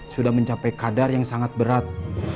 sudah mencapai kadar yang sangat berat